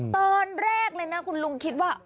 ตอนแรกเลยนะคุณลุงคิดว่า